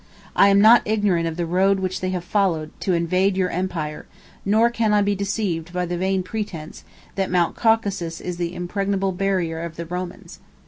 I am not ignorant of the road which they have followed to invade your empire; nor can I be deceived by the vain pretence, that Mount Caucasus is the impregnable barrier of the Romans.